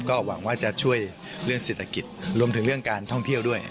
ก็หวังว่าจะช่วยเรื่องเศรษฐกิจรวมถึงเรื่องการท่องเที่ยวด้วย